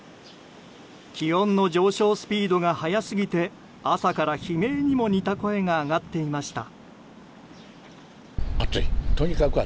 気温の上昇スピードが速すぎて朝から悲鳴にも似た声が上がっていました。